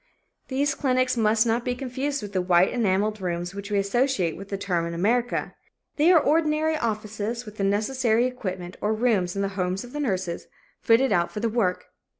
These clinics must not be confused with the white enameled rooms which we associate with the term in America. They are ordinary offices with the necessary equipment, or rooms in the homes of the nurses, fitted out for the work.